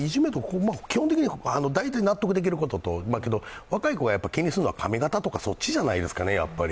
基本的に大体納得できることと、けど若い子が気にするのは髪型とか、そっちじゃないですかね。